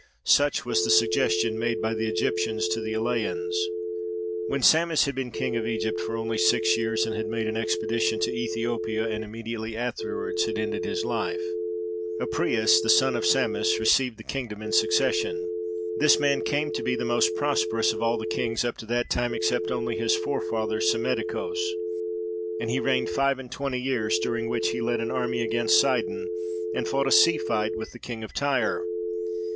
Such was the suggestion made by the Egyptians to the Eleians. When Psammis had been king of Egypt for only six years and had made an expedition to Ethiopia and immediately afterwards had ended his life, Apries the son of Psammis received the kingdom in succession. This man came to be the most prosperous of all the kings up to that time except only his forefather Psammetichos; and he reigned five and twenty years, during which he led an army against Sidon and fought a sea fight with the king of Tyre.